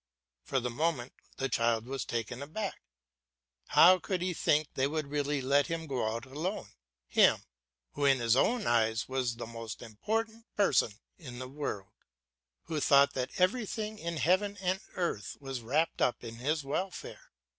For the moment the child was taken aback. How could he think they would really let him go out alone, him, who, in his own eyes, was the most important person in the world, who thought that everything in heaven and earth was wrapped up in his welfare?